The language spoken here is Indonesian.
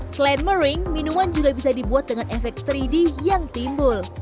selain mering minuman juga bisa dibuat dengan efek tiga d yang timbul